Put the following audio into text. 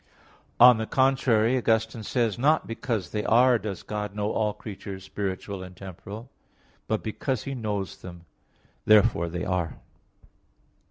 On the contrary, Augustine says (De Trin. xv), "Not because they are, does God know all creatures spiritual and temporal, but because He knows them, therefore they are."